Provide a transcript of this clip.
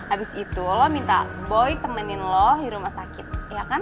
abis itu lo minta boy temenin lo di rumah sakit